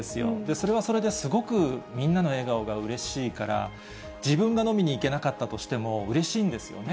それはそれですごくみんなの笑顔がうれしいから、自分が飲みに行けなかったとしても、うれしいんですよね。